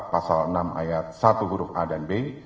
pasal enam ayat satu huruf a dan b